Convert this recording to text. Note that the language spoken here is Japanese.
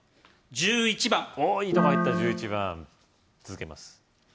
１１番おぉいいとこ入った１１番続けます